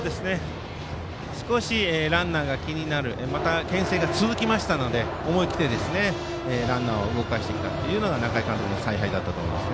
少しランナーが気になるまた、けん制が続きましたので思い切ってランナーを動かしてきたというのが中井監督の采配だったと思います。